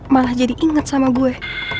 malah jadi inget sama gue